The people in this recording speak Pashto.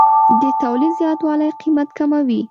د تولید زیاتوالی قیمت کموي.